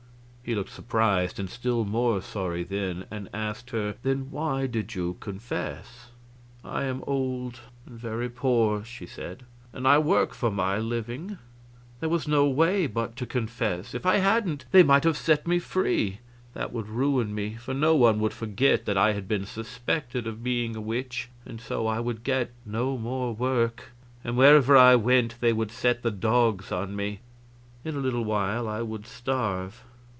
He looked surprised and still more sorry then, and asked her: "Then why did you confess?" "I am old and very poor," she said, "and I work for my living. There was no way but to confess. If I hadn't they might have set me free. That would ruin me, for no one would forget that I had been suspected of being a witch, and so I would get no more work, and wherever I went they would set the dogs on me. In a little while I would starve.